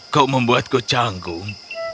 kau membuatku canggung